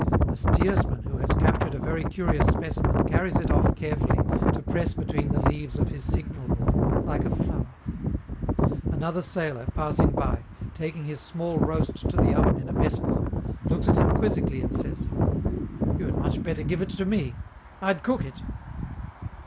A steersman who has captured a very curious specimen carries it off carefully to press between the leaves of his signal book, like a flower. Another sailor, passing by, taking his small roast to the oven in a mess bowl, looks at him quizzically and says: "You had much better give it to me. I'd cook it!"